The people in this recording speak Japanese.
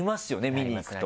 見に行くと。